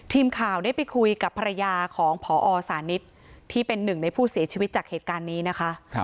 ทีมข่าวได้ไปคุยกับภรรยาของพอสานิทที่เป็นหนึ่งในผู้เสียชีวิตจากเหตุการณ์นี้นะคะ